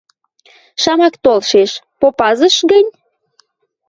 – Шамак толшеш, попазыш гӹнь?